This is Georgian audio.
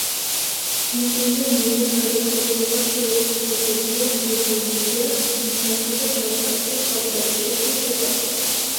მიტინგზე მიიღეს გადაწყვეტილება შეერთებოდნენ რეზოლუციას მუშათა და ჯარისკაცთა საბჭოების შექმნის შესახებ.